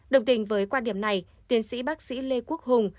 đồng tình với quan điểm này tiến sĩ bác sĩ lê quốc hùng